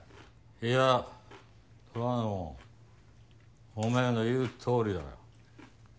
いや虎ノ門お前の言うとおりだよ。